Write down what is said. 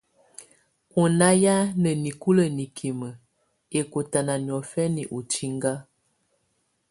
Ɔ na ya na nikulə nikimə ɛkɔtana niɔfɛna ɔ tsinga.